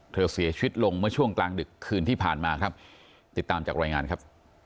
เสียชีวิตลงเมื่อช่วงกลางดึกคืนที่ผ่านมาครับติดตามจากรายงานครับ